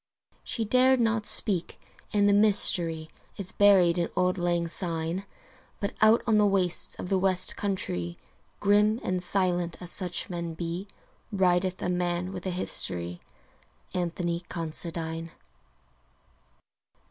She dared not speak and the mystery Is buried in auld lang syne, But out on the wastes of the West countrie, Grim and silent as such men be, Rideth a man with a history Anthony Considine.